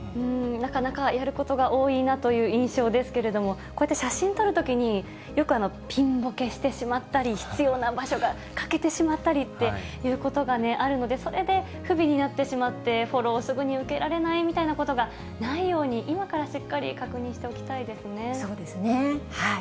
なかなかやることが多いなという印象ですけれども、こうやって写真撮るときに、よくピンボケしてしまったり、必要な場所が欠けてしまったりっていうことがあるので、それで不備になってしまって、フォローをすぐに受けられないということがないように、今からしそうですね。